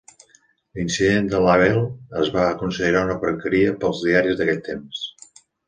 L"incident de Lavelle es va considerar una porqueria pels diaris d"aquell temps.